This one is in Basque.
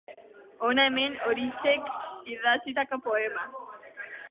Hona hemen Orixek idatzitako poema.